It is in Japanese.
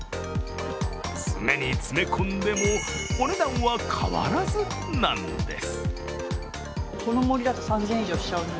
詰めに詰め込んでもお値段は変わらずなんです。